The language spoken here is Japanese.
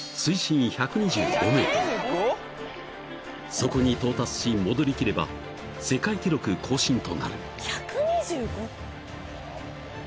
［そこに到達し戻りきれば世界記録更新となる］